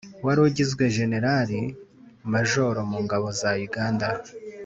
wari ugizwe jenerali majoro mu ngabo za uganda,